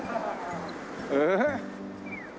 ええ？